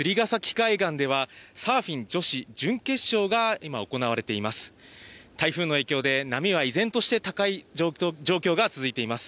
海岸ではサーフィン女子準決勝が今行われています。